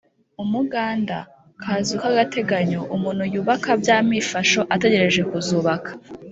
umuganda: kazu k’agateganyo umuntu yubaka by’amifasho ategereje kuzubaka